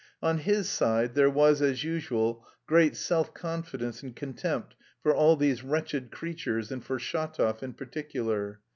On his side there was, as usual, great self confidence and contempt for all these "wretched creatures" and for Shatov in particular.